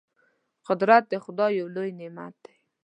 قدرت د خدای یو لوی نعمت دی.